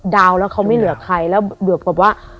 ดาวน์แล้วเขาไม่เหลือใครแล้วเหมือนกับว่า